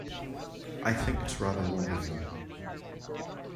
I think it's rather wonderful.